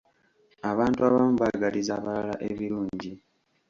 Abantu abamu baagaliza abalala ebirungi.